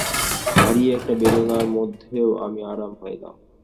ভারী একটা বেদনার মধ্যেও আমি আরাম পাইলাম।